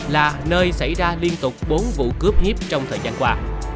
là nơi xảy ra liên tục bốn vụ cướp hiếp trong thời gian qua